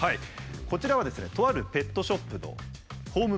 こちらはですねとあるペットショップのホームページ。